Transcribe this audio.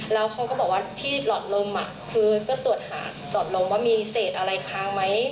แล้วเขาก็บอกว่าที่หลอดลมคือก็ตรวจหาหลอดลมว่ามีเศษอะไรค้างไหม